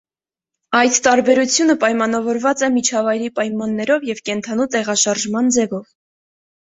Այդ տարբերությունը պայմանավորված է միջավայրի պայմաններով և կենդանու տեղաշարժման ձևով։